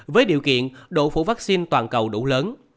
với điều kiện độ phủ vắc xin toàn cầu đủ lớn